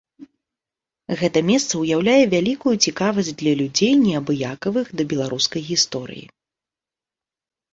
Гэта месца ўяўляе вялікую цікавасць для людзей, неабыякавых да беларускай гісторыі.